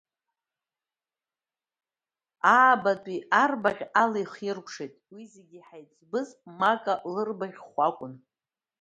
Аабатәи арбаӷь ала ихиркәшеит, уи зегьы иҳаиҵбыз Мака ларбаӷьхәы акәын.